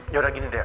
ya udah gini deh